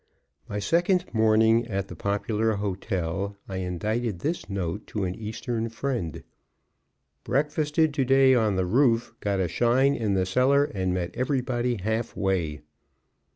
My second morning at the popular hotel I indited this note to an Eastern friend; "Breakfasted to day on the roof, got a shine in the cellar, and met everybody half way."